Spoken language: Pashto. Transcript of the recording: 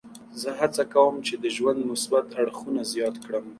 زه هڅه کوم چې د ژوند مثبت اړخونه زیات کړم.